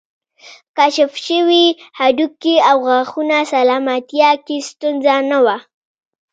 کشف شوي هډوکي او غاښونه سلامتیا کې ستونزه نه وه